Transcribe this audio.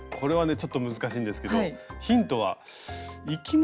ちょっと難しいんですけどヒントは生き物。